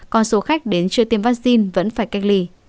còn số khách đến chưa tiêm vaccine vẫn phải cách ly